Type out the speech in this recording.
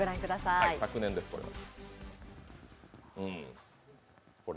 昨年です、これは。